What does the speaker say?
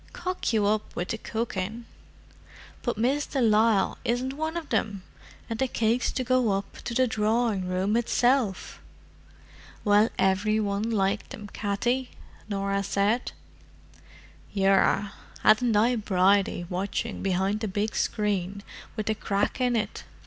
'Cock you up with the cooking!' But Miss de Lisle isn't one of them—and the cakes to go up to the drawing room itself!" "Well, every one liked them, Katty," Norah said. "Yerra, hadn't I Bridie watching behind the big screen with the crack in it?"